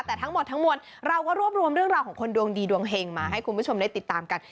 แต่ทั้งหมดทั้งมวลเราก็รวบรวมเรื่องราวของคนดวงดีดวงเห็งมาให้คุณผู้ชมได้ติดตามกัน